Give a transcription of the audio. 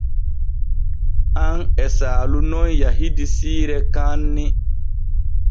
An e Saalu nun yahidi siire kaanni.